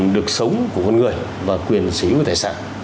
được sống của con người và quyền sử dụng của tài sản